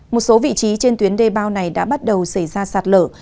một số vị trí trên tuyến đê bao này đã bắt đầu xảy ra sạt lở